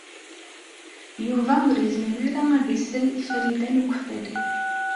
Yuba ur izmir ara ad s-isel i Farida n Ukeffadu.